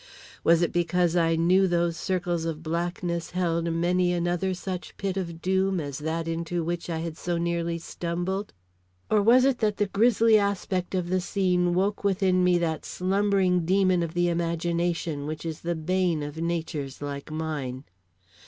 Was it because I knew those circles of blackness held many another such pit of doom as that into which I had so nearly stumbled? Or was it that the grisly aspect of the scene woke within me that slumbering demon of the imagination which is the bane of natures like mine.